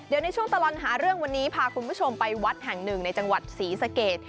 เดี๋ยวในช่วงตลอดหาเรื่องวันนี้พาคุณผู้ชมไปวัดแห่งหนึ่งในจังหวัดศรีสเกต